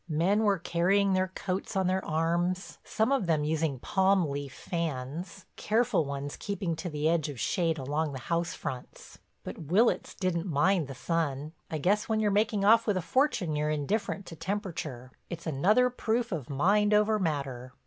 Men were carrying their coats on their arms, some of them using palm leaf fans, careful ones keeping to the edge of shade along the house fronts. But Willitts didn't mind the sun; I guess when you're making off with a fortune you're indifferent to temperature—it's another proof of mind over matter.